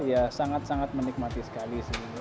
ya sangat sangat menikmati sekali sih